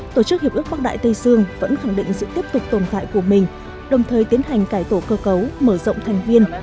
tổ chức hiệp ước bắc đại tây dương vẫn khẳng định sự tiếp tục tồn tại của mình đồng thời tiến hành cải tổ cơ cấu mở rộng thành viên